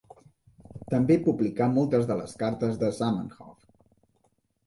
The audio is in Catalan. També publicà moltes de les cartes de Zamenhof.